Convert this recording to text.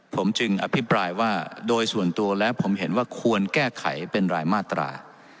ผมจึงอภิปรายว่าโดยส่วนตัวแล้วผมเห็นว่าควรแก้ไขเป็นรายมาตรา